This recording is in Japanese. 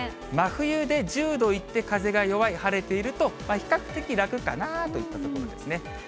真冬で１０度いって、風が弱い、晴れていると、比較的楽かなといったところですね。